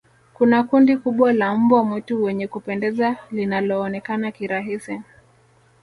kuna kundi kubwa la mbwa mwitu wenye kupendeza linaloonekana kirahisi